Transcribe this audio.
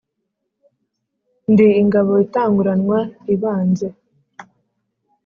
Ndi ingabo itanguranwa ibanze